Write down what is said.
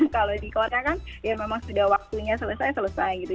kalau di korea kan ya memang sudah waktunya selesai selesai gitu